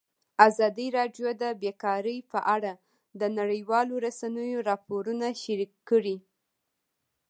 ازادي راډیو د بیکاري په اړه د نړیوالو رسنیو راپورونه شریک کړي.